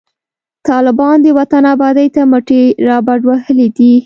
طالبان د وطن آبادۍ ته مټي رابډوهلي دي